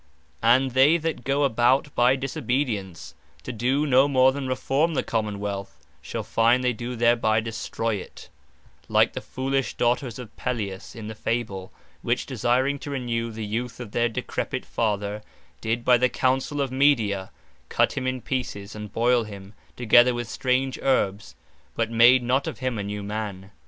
And they that go about by disobedience, to doe no more than reforme the Common wealth, shall find they do thereby destroy it; like the foolish daughters of Peleus (in the fable;) which desiring to renew the youth of their decrepit Father, did by the Counsell of Medea, cut him in pieces, and boyle him, together with strange herbs, but made not of him a new man.